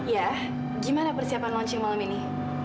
ya gimana persiapan launching malam ini